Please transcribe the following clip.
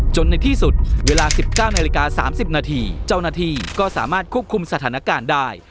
ในที่สุดเวลา๑๙นาฬิกา๓๐นาทีเจ้าหน้าที่ก็สามารถควบคุมสถานการณ์ได้